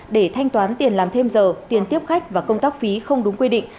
để thanh toán tiền làm thêm giờ tiền tiếp khách và công tác phí không đúng quy định